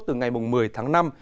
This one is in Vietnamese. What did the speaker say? từ ngày một mươi tháng năm